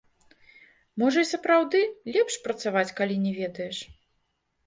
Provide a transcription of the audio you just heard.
Можа, і сапраўды лепш працаваць, калі не ведаеш.